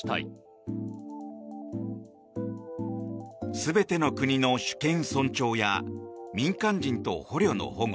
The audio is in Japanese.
全ての国の主権尊重や民間人と捕虜の保護